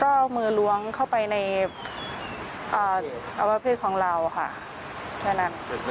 ก็เอามือล้วงเข้าไปในอวะเพศของเราค่ะ